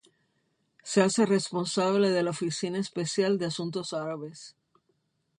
Se hace responsable de la oficina especial de asuntos árabes.